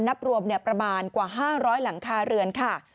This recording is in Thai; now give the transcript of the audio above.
นับรวมประมาณกว่า๕๐๐หลังคาเรือนค่ะ